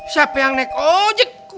siapa yang naik ojek